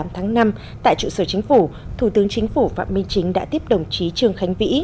một mươi tháng năm tại trụ sở chính phủ thủ tướng chính phủ phạm minh chính đã tiếp đồng chí trương khánh vĩ